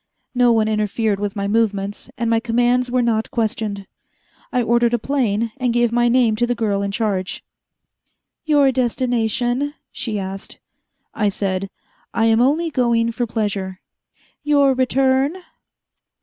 No one interfered with my movements, and my commands were not questioned. I ordered a plane, and gave my name to the girl in charge. "Your destination?" she asked. I said, "I am only going for pleasure." "Your return?"